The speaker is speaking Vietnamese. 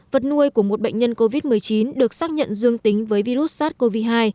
vật nuôi của một bệnh nhân covid một mươi chín được xác nhận dương tính với virus sars cov hai